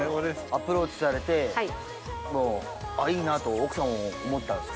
アプローチされて「あっいいな」と奥さんも思ったんですか？